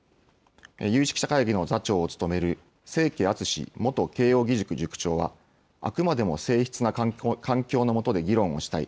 有識者会議の座長を務める、清家篤元慶應義塾塾長は、あくまでも静ひつな環境のもとで議論をしたい。